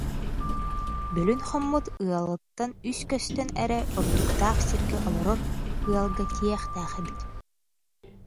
Бөлүүн хоммут ыалыттан үс көстөн эрэ ордуктаах сиргэ олорор ыалга тиийиэхтээх эбит